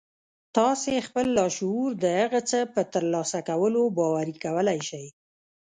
تاسې خپل لاشعور د هغه څه په ترلاسه کولو باوري کولای شئ